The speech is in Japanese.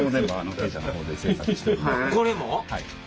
これも？